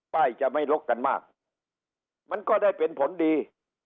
ป้ายจะไม่ลกกันมากมันก็ได้เป็นผลดี